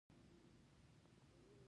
د یوه بل له دښمنانو سره مرسته ونه کړي.